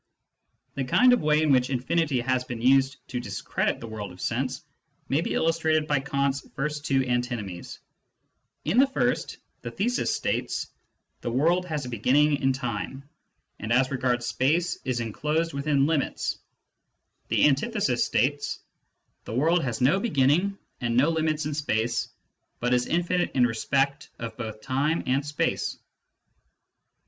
The kind of way in which infinity has been used to discredit the world of sense may be illustrated by Kant's first two antinomies. In the first, the thesis states : "The world has a beginning in time, and as regards space is enclosed within limits "; the antithesis states : 155 Digitized by Google 156 SCIENTIFIC METHOD IN PHILOSOPHY " The world has no beginning and no limits in space, but is infinite in respect of both time and space."